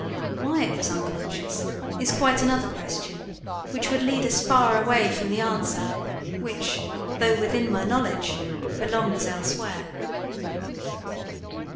Why it was unconscious is quite another question which would lead us far away from the answer which, though within my knowledge, belongs elsewhere.